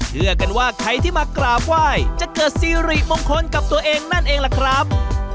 เชื่อกันว่าใครที่มากราบไหว้จะเกิดซีริมงคลกับตัวเองนั่นเองล่ะครับ